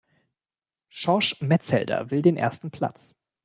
Schorsch Metzelder will den ersten Platz.